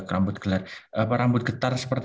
rambut gelar apa rambut getar